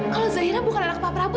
kalau zairah bukan anak pak prabu